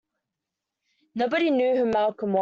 Nobody knew who Malcolm was.